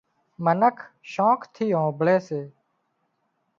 منک شوق ٿِي هامڀۯي سي